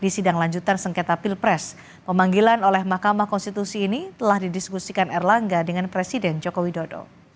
di sidang lanjutan sengketa pilpres pemanggilan oleh mahkamah konstitusi ini telah didiskusikan erlangga dengan presiden joko widodo